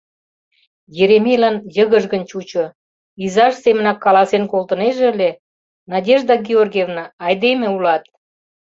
Еремейлан йыгыжгын чучо, изаж семынак каласен колтынеже ыле: «Надежда Георгиевна, айдеме улат!